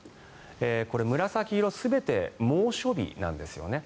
これ、紫色全て猛暑日なんですね。